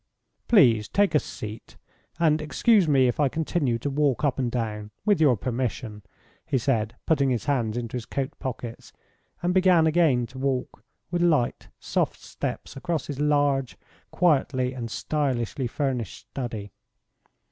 "Please take a seat, and excuse me if I continue to walk up and down, with your permission," he said, putting his hands into his coat pockets, and began again to walk with light, soft steps across his large, quietly and stylishly furnished study.